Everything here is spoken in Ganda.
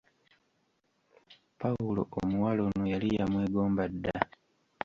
Pawulo omuwala ono yali yamwegomba dda.